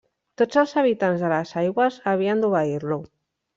Tots els habitants de les aigües havien d'obeir-lo.